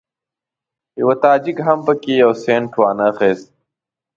یوه تاجک هم په کې یو سینټ وانخیست.